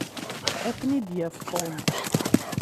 Ad ten-id-yaf Tom.